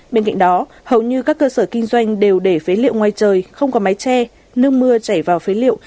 bên cạnh đó hầu như các cơ sở kinh doanh đều để phế liệu ngoài trời không có máy tre nước mưa chảy vào phế liệu